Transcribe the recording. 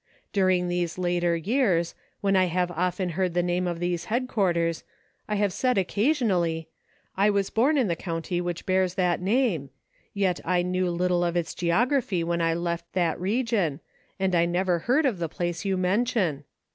During these later years, when I have often heard the name of these headquarters, I have said occasionally: *I was born in the county which bears that name, yet I knew little of its geography when I left that region, and I never heard of the place you men tion